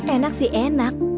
enak sih enak